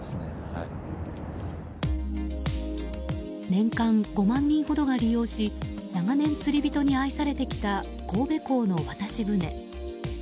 年間５万人ほどが利用し長年釣り人に愛されてきた神戸港の渡し船。